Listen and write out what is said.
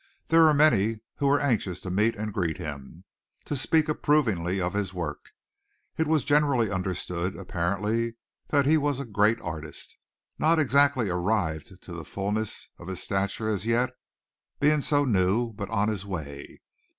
There were many who were anxious to meet and greet him, to speak approvingly of his work. It was generally understood, apparently, that he was a great artist, not exactly arrived to the fullness of his stature as yet, being so new, but on his way.